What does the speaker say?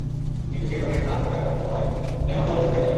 কিন্তু সেই জমির ধান রোগে আক্রান্ত হওয়ায় এখন খরচ ওঠাই দায়।